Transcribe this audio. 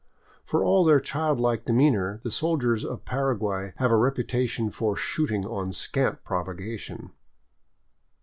For all their childlike demeanor, the soldiers of Paraguay have a reputation for shooting on scant provocation.